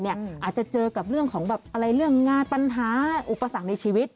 อาจจะเจอกับเรื่องของแบบอะไรเรื่องงานปัญหาอุปสรรคในชีวิต